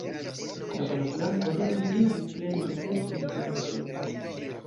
La pola flanko ne utiligis plene eblecojn de la defendo.